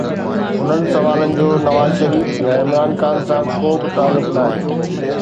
انهن سوالن جو نواز شريف يا عمران خان سان ڪو به تعلق ناهي.